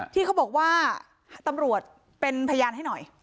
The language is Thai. ที่เขาบอกว่าตำรวจเป็นพยานให้หน่อย